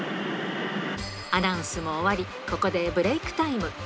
アナウンスも終わり、ここでブレークタイム。